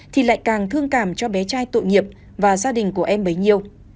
thì lại càng thương cảm cho bé trai tội nghiệp và gia đình của em bấy nhiêu